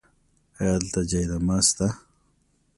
ایا دلته جای نماز شته؟